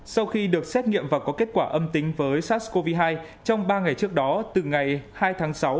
sau khi được xét nghiệm và có kết quả âm tính với sars cov hai trong ba ngày trước đó từ ngày hai tháng sáu